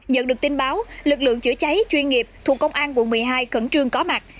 nhận được tin báo lực lượng chữa cháy chuyên nghiệp thuộc công an quận một mươi hai khẩn trương có mặt